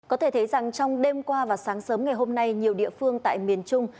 có thể thấy rằng trong đêm qua và sáng sớm ngày hôm nay nhiều địa phương tại miền trung